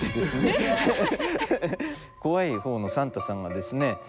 怖い方のサンタさんがですね